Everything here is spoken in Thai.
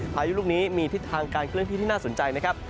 พายุลูกนี้มีทิศทางการเคลื่อนที่ที่น่าสนใจนะครับ